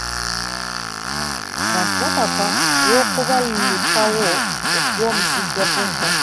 Abantu bapapa olw'okubalukawo kw'omusujja gw'enkaka.